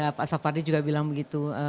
pak sapardi juga bilang begitu